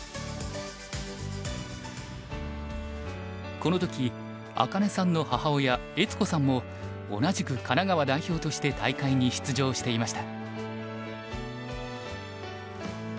この時茜さんの母親悦子さんも同じく神奈川代表として大会に出場していました。